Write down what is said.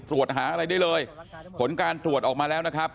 ตรวจหาอะไรได้เลยผลการตรวจออกมาแล้วนะครับ